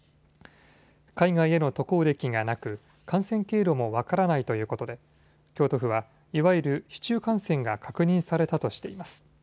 海外への渡航歴がなく感染経路も分からないということで京都府はいわゆる市中感染が確認されたとしています。